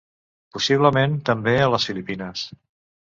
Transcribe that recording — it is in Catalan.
Possiblement, també, a les Filipines.